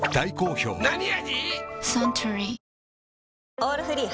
「オールフリー」